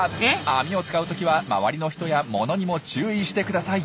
網を使うときは周りの人や物にも注意してください。